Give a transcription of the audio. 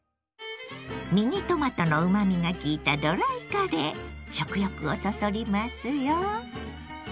ミニトマトのうまみが効いた食欲をそそりますよ。